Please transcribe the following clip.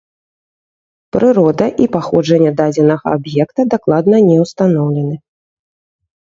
Прырода і паходжанне дадзенага аб'екта дакладна не ўстаноўлены.